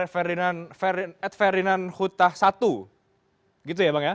ferdinand at ferdinand hutah satu gitu ya bang ya